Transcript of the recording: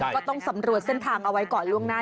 ก็ต้องสำรวจเส้นทางเอาไว้ก่อนล่วงหน้า